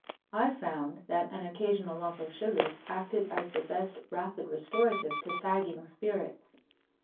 I found that an occasional lump of sugar acted as the best rapid restorative to sagging spirits.